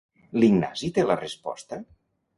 L'Ignasi té la resposta?